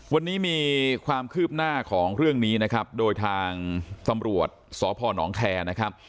วันนี้มีความคืบหน้าของเรื่องนี้นะครับโดยทางตำรวจสพนแคร์นะครับ